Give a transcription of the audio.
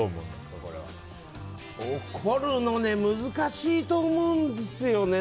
怒るの難しいと思うんですよね。